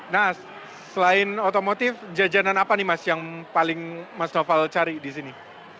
nah selain otomotif jajanan apa nih mas yang paling mas noval cari di sini